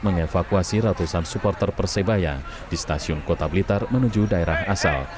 mengevakuasi ratusan supporter persebaya di stasiun kota blitar menuju daerah asal